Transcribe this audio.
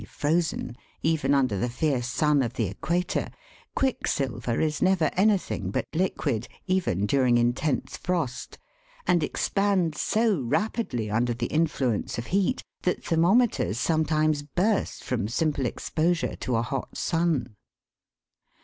frozen, even under the fierce sun of the equator, quicksilver is never anything but liquid, even during intense frost, and expands so rapidly under the influence of heat, that thermometers sometimes burst from simple exposure to a hot sun.